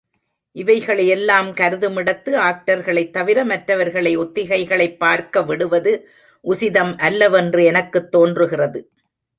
இவைகளையெல்லாம் கருதுமிடத்து, ஆக்டர்களைத் தவிர மற்வர்களை ஒத்திகைகளைப் பார்க்க விடுவது உசிதம் அல்லவென்று எனக்குத் தோன்றுகிறது.